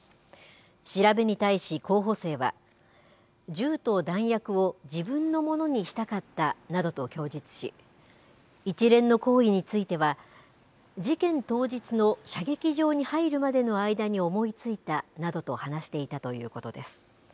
調べに対し、候補生は銃と弾薬を自分のものにしたかったなどと供述し、一連の行為については、事件当日の射撃場に入るまでの間に思いついたなどと話していたということです。